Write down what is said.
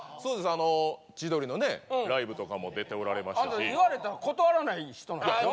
あの千鳥のライブとかも出ておられましたしあなた言われたら断らない人なんでしょ？